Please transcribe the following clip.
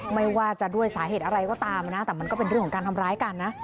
ไม่ว่าจะด้วยสาเหตุอะไรก็ตามนะแต่มันก็เป็นเรื่องของการทำร้ายกันนะ